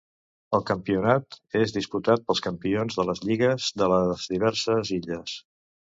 El campionat és disputat pels campions de les lligues de les diverses illes.